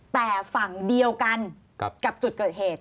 แต่ฝั่งเดียวกันกับจุดเกิดเหตุ